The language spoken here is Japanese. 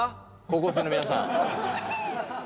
高校生の皆さん。